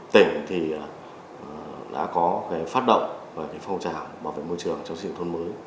tỉnh thì đã có phát động về phong trào bảo vệ môi trường trong sự thôn mới